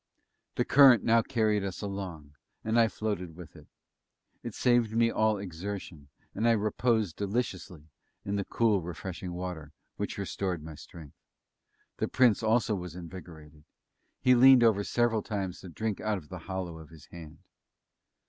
The current now carried us along, and I floated with it. It saved me all exertion, and I reposed deliciously in the cool refreshing water, which restored my strength. The Prince also was invigorated. He leaned over several times to drink out of the hollow of his hand.